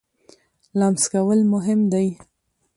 لمس کول مهم دی.